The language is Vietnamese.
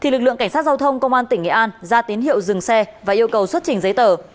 lực lượng cảnh sát giao thông công an tỉnh nghệ an ra tín hiệu dừng xe và yêu cầu xuất trình giấy tờ